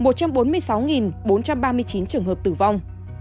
một trăm bốn mươi sáu bốn trăm ba mươi chín trường hợp tử vong